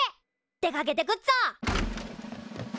出かけてくっぞ！